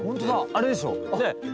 あれでしょ。